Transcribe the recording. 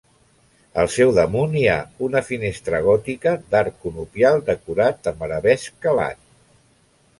Al seu damunt hi ha una finestra gòtica d'arc conopial decorat amb arabesc calat.